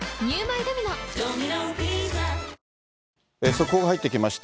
速報が入ってきました。